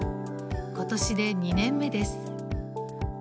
今年で２年目です。